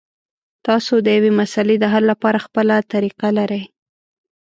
تاسو د یوې مسلې د حل لپاره خپله طریقه لرئ.